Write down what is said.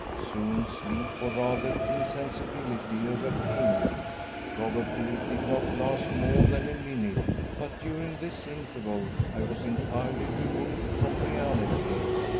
Soon sleep, or rather insensibility, overcame me. Probably it did not last more than a minute, but during this interval I was entirely removed from reality.